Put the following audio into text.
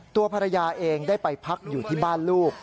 ตัวภรรยาเองได้ไปพักอยู่ที่บ้านลูก